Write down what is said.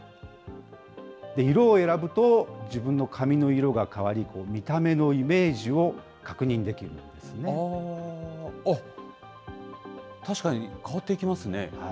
色を選ぶと、自分の髪の色が変わり、見た目のイメージを確認できあっ、確かに変わっていきますね。